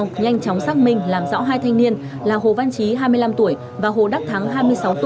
nhanh chóng xác minh làm rõ hai thanh niên là hồ văn trí hai mươi năm tuổi và hồ đắc thắng hai mươi sáu tuổi